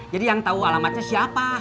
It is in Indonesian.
jadi yang tahu alamatnya siapa